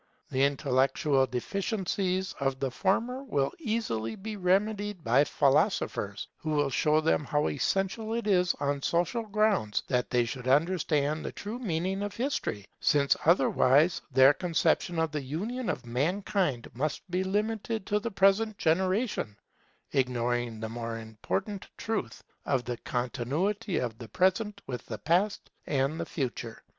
The intellectual deficiencies of the former will easily be remedied by philosophers, who will show them how essential it is on social grounds that they should understand the true meaning of history; since otherwise their conception of the union of mankind must be limited to the present generation, ignoring the more important truth of the continuity of the Present with the Past and the Future.